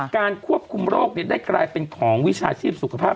การควบคุมโรคได้กลายเป็นของวิชาชีพสุขภาพ